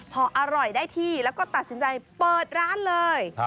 พออร่อยได้ที่แล้วก็ตัดสินใจเปิดร้านเลย